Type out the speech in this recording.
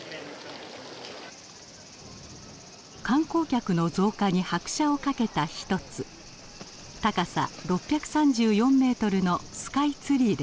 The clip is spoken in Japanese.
観光客の増加に拍車をかけた一つ高さ６３４メートルのスカイツリーです。